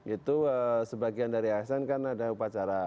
itu sebagian dari asn kan ada upacara